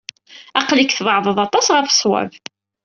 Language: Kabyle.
Aql-ik tbeɛdeḍ aṭas ɣef ṣṣwab.